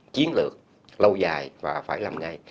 chiến lược lâu dài và phải làm ngay